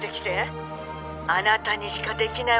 あなたにしかできないお仕事よ」